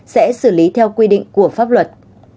sẽ xử lý theo quy định của pháp luật